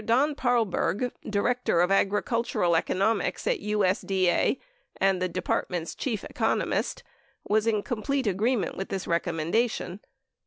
Don Paarlberg, Director of Agricultural Economics at USDA and the Department's chief economist, was in complete agreement with this recommendation.